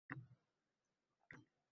Kim boriga shukr qilib, nochor yashar.